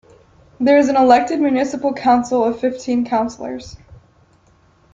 There is an elected Municipal Council of fifteen councilors.